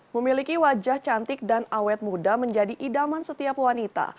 memiliki wajah cantik dan awet muda menjadi idaman setiap wanita